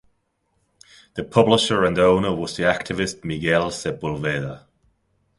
The publisher and owner was the activist Miguel Sepulveda.